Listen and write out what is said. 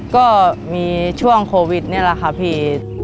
ก็มีช่วงโควิดนี่แหละค่ะพี่